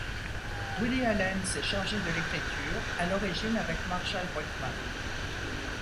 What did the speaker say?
Woody Allen s'est chargé de l'écriture, à l'origine avec Marshall Brickman.